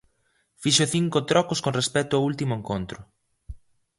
Fixo cinco trocos con respecto o último encontro.